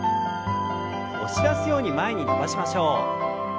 押し出すように前に伸ばしましょう。